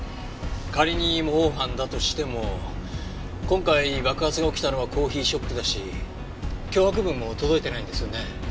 仮に模倣犯だとしても今回爆発が起きたのはコーヒーショップだし脅迫文も届いてないんですよね。